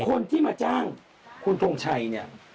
คนที่มาจ้างคุณทงชัยเนี่ย